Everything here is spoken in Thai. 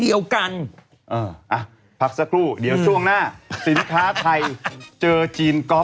อ่ะพักสักครู่เดี๋ยวช่วงหน้าสินค้าไทยเจอจีนก๊อฟ